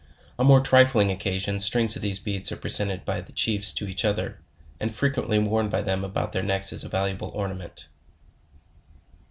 On more trifling occasions, strings of these beads are presented by the chiefs to each other, and frequently worn by them about their necks as a valuable ornament.